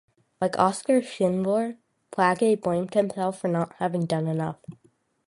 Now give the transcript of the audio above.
Like Oskar Schindler, Plagge blamed himself for not having done enough.